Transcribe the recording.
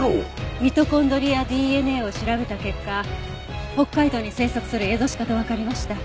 ミトコンドリアＤＮＡを調べた結果北海道に生息するエゾシカとわかりました。